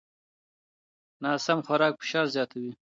ناسم خوراک فشار زیاتوي.